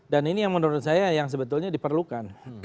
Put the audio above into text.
dan ini yang menurut saya yang sebetulnya diperlukan